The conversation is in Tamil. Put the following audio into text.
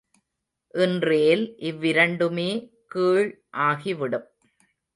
இன்றேல் இவ்விரண்டுமே கீழ் ஆகிவிடும்.